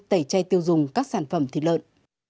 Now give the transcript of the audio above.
tẩy chay tiêu dùng các sản phẩm thịt lợn